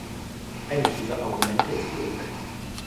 Eines dieser Argumente ist die Umwelt.